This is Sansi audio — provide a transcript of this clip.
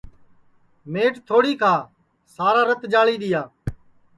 مئٹ تھوڑی کھا سارا رَت جاݪی دؔیا